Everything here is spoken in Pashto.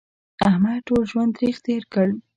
احمد ټول ژوند تریخ تېر کړ